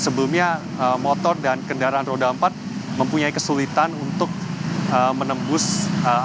sebelumnya motor dan kendaraan roda empat mempunyai kesulitan untuk menembus